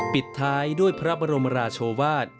ปิดท้ายด้วยพระบรมราชวาส